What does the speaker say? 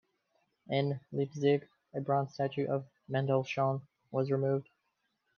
In Leipzig, a bronze statue of Mendelssohn was removed.